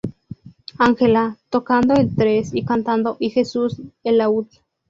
Ángela, tocando el tres y cantando, y Jesús, el laúd.